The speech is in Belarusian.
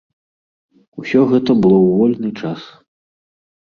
Усё гэта было ў вольны час.